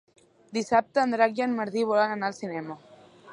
Dissabte en Drac i en Martí volen anar al cinema.